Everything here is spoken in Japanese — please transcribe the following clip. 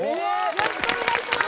よろしくお願いします！